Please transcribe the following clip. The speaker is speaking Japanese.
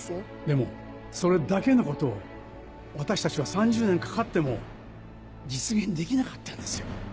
でもそれだけのことを私たちは３０年かかっても実現できなかったんですよ。